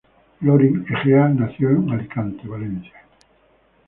Lauren Egea nació en Alicante, Valencia.